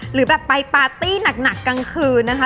หรือแบบไปปาร์ตี้หนักกลางคืนนะคะ